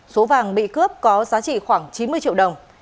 số vàng bị cướp có giá trị khoảng chín mươi triệu đồng